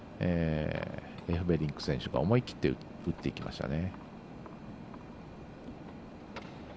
エフベリンク選手が思い切って打っていきましたね。